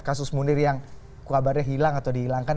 kasus munir yang kabarnya hilang atau dihilangkan